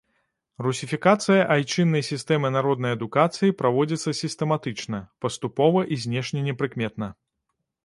Русіфікацыя айчыннай сістэмы народнай адукацыі праводзіцца сістэматычна, паступова і знешне непрыкметна.